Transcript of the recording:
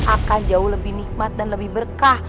akan jauh lebih nikmat dan lebih berkah